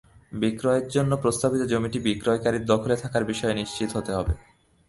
বিক্রয়ের জন্য প্রস্তাবিত জমিটি বিক্রয়কারীর দখলে থাকার বিষয়ে নিশ্চিত হতে হবে।